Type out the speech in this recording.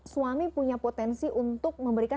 suami punya potensi untuk memberikan